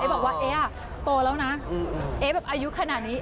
บอกว่าเอ๊ะโตแล้วนะเอ๊ะแบบอายุขนาดนี้